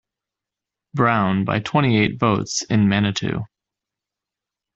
Brown by twenty-eight votes in Manitou.